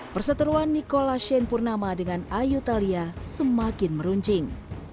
perseteruan nikola shane purnama dengan ayu thalia semakin meruncing